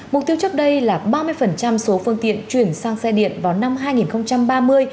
mục tiêu trước đây là ba mươi số phương tiện chuyển sang xe điện vào năm hai nghìn ba mươi